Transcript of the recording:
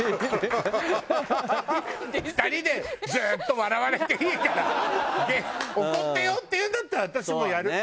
２人でずーっと笑われていいから怒ってよって言うんだったら私もやる。